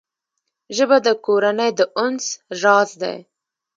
ژبه د کورنۍ د انس راز دی